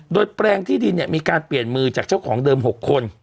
โดยแปลงที่ดินเนี่ยมีการเปลี่ยนมือจากเจ้าของเดิม๖คน